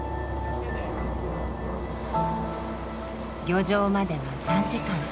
漁場までは３時間。